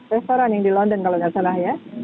restoran yang di london kalau tidak salah ya